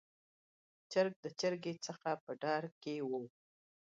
چرګ د چرګې څخه په ډار کې و.